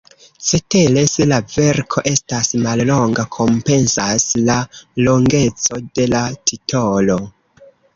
Cetere, se la verko estas mallonga, kompensas la longeco de la titolo.